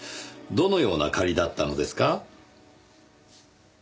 どのような借りだったのですか？